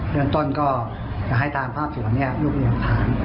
เรื่องต้นก็จะให้ตามภาพส่วนเนี่ยลูกเรียนผ่าน